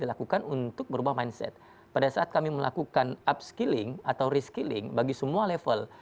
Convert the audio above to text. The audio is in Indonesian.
dilakukan untuk berubah mindset pada saat kami melakukan upskilling atau reskilling bagi semua level